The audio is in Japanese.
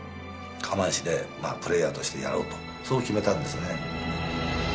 釜石でプレーヤーとしてやろうとそう決めたんですね。